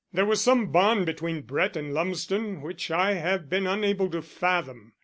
There was some bond between Brett and Lumsden which I have been unable to fathom.